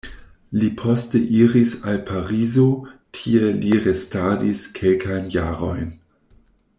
Li poste iris al Parizo, tie li restadis kelkajn jarojn.